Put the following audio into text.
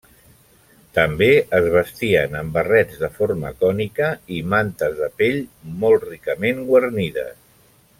També es vestien amb barrets de forma cònica i mantes de pell molt ricament guarnides.